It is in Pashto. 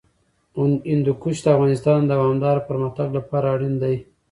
هندوکش د افغانستان د دوامداره پرمختګ لپاره اړین دي.